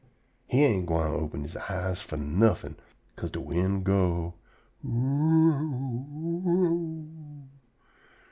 He ain't gwine open he eyes fo' nuffin', 'ca'se de wind go, "You you o o o!"